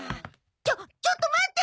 ちょちょっと待って！